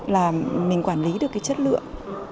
là mình quản lý được cái chất lượng